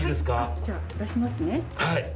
じゃあ出しますね。